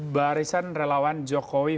barisan relawan jokowi